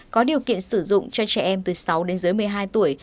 có điều kiện sử dụng cho trẻ em từ sáu đến dưới một mươi hai tuổi